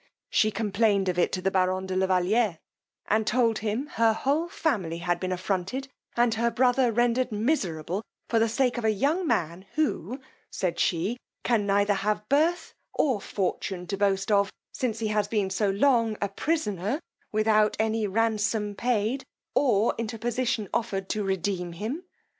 She complained of it to the baron de la Valiere, and told him, her whole family had been affronted, and her brother rendered miserable, for the sake of a young man, who, said she, can neither have birth or fortune to boast of, since he has been so long a prisoner without any ransom paid, or interposition offered to redeem him.